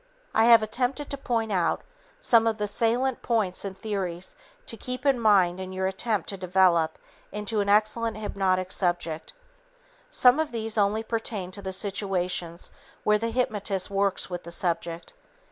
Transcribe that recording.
I have attempted to point out some of the salient points and theories to keep in mind in your attempt to develop into an excellent hypnotic subject. Some of these only pertain to the situations where the hypnotist works with the subject.